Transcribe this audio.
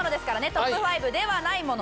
トップ５ではないもの。